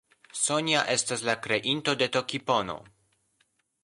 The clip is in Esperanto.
Sonja estas la kreinto de Tokipono.